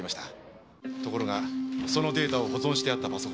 ところがそのデータを保存してあったパソコンが。